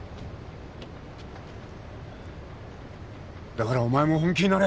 だからお前も本気になれ。